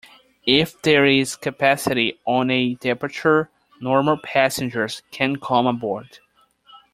If there is capacity on a departure, "normal" passengers can come aboard.